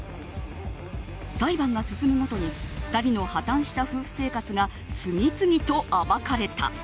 裁判が進むごとに２人の破たんした夫婦生活が次々と暴かれた。